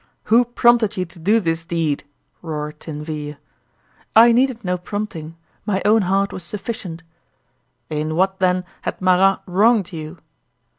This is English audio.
"Who prompted you to do this deed?" roared Tinville. "I needed no prompting. My own heart was sufficient." "In what, then, had Marat wronged you?"